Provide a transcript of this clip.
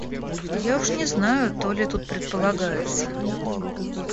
Я уж не знаю, то ли тут предполагается.